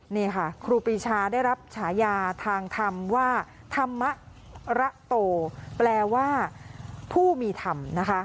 เนี่ยค่ะครูปรีชาได้รับฉายาทางธรรมว่าพุ่มีธรรมนะคะ